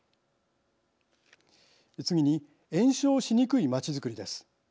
次に延焼しにくい街づくりです。